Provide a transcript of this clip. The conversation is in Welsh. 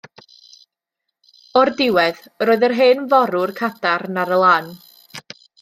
O'r diwedd yr oedd yr hen forwr cadarn ar y lan.